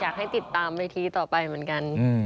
อยากให้ติดตามเวทีต่อไปเหมือนกัน